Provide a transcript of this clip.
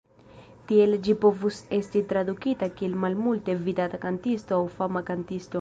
Tiele ĝi povus esti tradukita kiel "malmulte vidata kantisto" aŭ "fama kantisto".